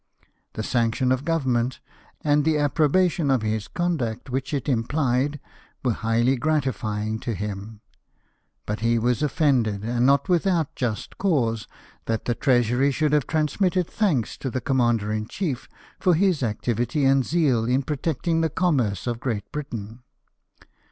The sanction of Government, and the approbation of his conduct which it implied, were highly gratifying to him : but he was offended, and not without just cause, that the Treasury should have transmitted thanks to the commander in chief for his activity and zeal in protecting the commerce of Great Britain.